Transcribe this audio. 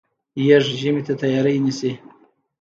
يږ ژمي ته تیاری نیسي.